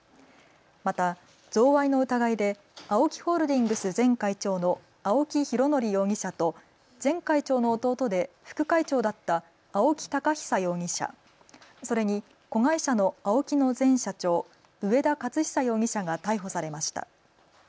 また贈賄の疑いでＡＯＫＩホールディングス前会長の青木拡憲容疑者と前会長の弟で副会長だった青木寶久容疑者、それに子会社のＡＯＫＩの前社長、上田雄久容疑者が逮捕されました。